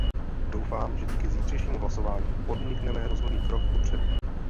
Doufám, že díky zítřejšímu hlasování podnikneme rozhodný krok kupředu.